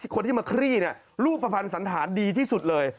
คนที่มาคลี่รูปภัณฑ์สันธารดีที่สุดเลย